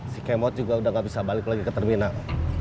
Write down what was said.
si kemot juga udah gak bisa balik lagi ke terminal